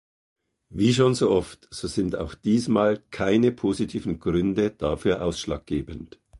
Wie schon so oft, so sind auch diesmal keine positiven Gründe dafür ausschlaggebend.